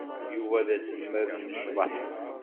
Yuba d aselmad n ccḍeḥ.